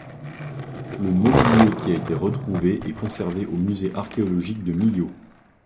Le mobilier qui y a été retrouvé est conservé au musée archéologique de Millau.